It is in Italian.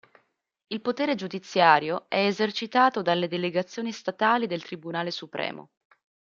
Il potere giudiziario è esercitato dalle delegazioni statali del Tribunale supremo.